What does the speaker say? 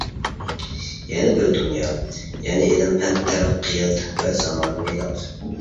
يەنە بىرى دۇنيا، يەنى ئىلىم-پەن، تەرەققىيات ۋە زامانىۋىلىق.